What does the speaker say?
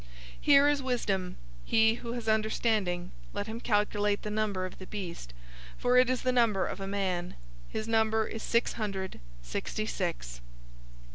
013:018 Here is wisdom. He who has understanding, let him calculate the number of the beast, for it is the number of a man. His number is six hundred sixty six.